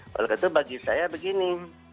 oleh karena itu bagi saya begini